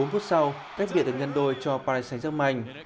bốn phút sau cách biệt được nhân đôi cho paris saint germain